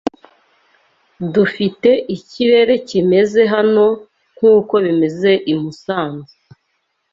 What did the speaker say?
Dufite ikirere kimeze hano nkuko bimeze i Musanze.